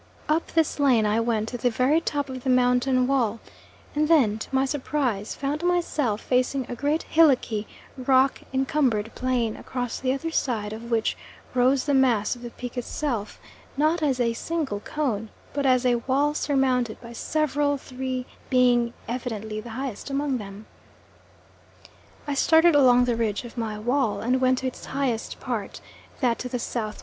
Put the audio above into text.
Up this lane I went to the very top of the mountain wall, and then, to my surprise, found myself facing a great, hillocky, rock encumbered plain, across the other side of which rose the mass of the peak itself, not as a single cone, but as a wall surmounted by several, three being evidently the highest among them. I started along the ridge of my wall, and went to its highest part, that to the S.W.